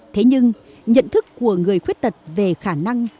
thế nhưng nhận thức của người khuyết tật về khả năng